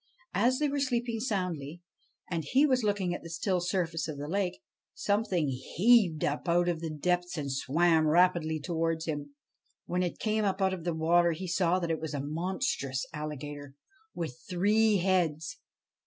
As they were sleeping soundly, and he was looking at the still surface of the lake, something heaved up out of the depths and swam rapidly towards him. When it came up out of the water he saw that it was a monstrous alligator, with three heads.